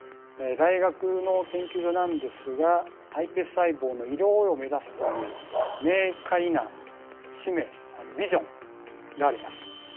大学の研究所なんですがｉＰＳ細胞の医療応用を目指すという明快な使命ビジョンがあります。